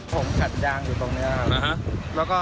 ผมขัดยางอยู่ตรงนี้ครับ